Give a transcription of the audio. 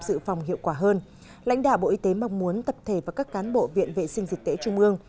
dự phòng hiệu quả hơn lãnh đạo bộ y tế mong muốn tập thể và các cán bộ viện vệ sinh dịch tễ trung ương